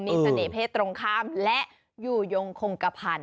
ศัตริย์เพศตรงข้ามและอยู่ยงคงกระพันธุ์